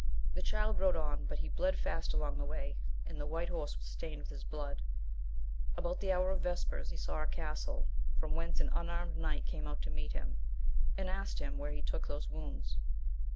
The Child rode on, but he bled fast along the way, and the white horse was stained with his blood, about the hour of vespers he saw a castle, from whence an unarmed knight came out to meet him, and asked him where he took those wounds.